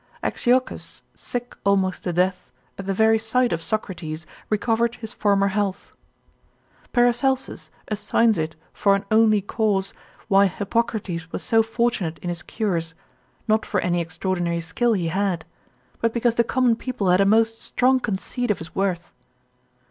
Axiocus sick almost to death, at the very sight of Socrates recovered his former health. Paracelsus assigns it for an only cause, why Hippocrates was so fortunate in his cures, not for any extraordinary skill he had; but because the common people had a most strong conceit of his worth.